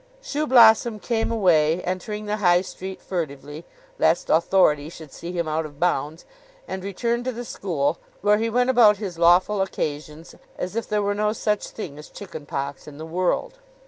Shoeblossom came away, entering the High Street furtively, lest Authority should see him out of bounds, and returned to the school, where he went about his lawful occasions as if there were no such thing as chicken pox in the world.